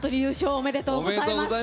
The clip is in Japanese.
おめでとうございます。